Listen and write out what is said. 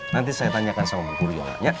nanti saya tanyakan sama bu ria